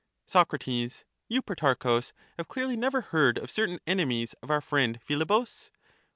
Soc, You, Protarchus, have clearly never heard of certain enemies of our friend Philebus.